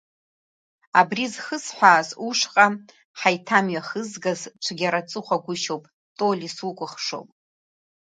Абри зхысҳәааз, ушҟа ҳаиҭамҩахызгаз, цәгьара ҵыхәагәышьоуп, Толи, сукәыхшоуп.